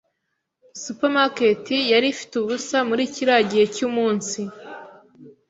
Supermarket yari ifite ubusa muri kiriya gihe cyumunsi.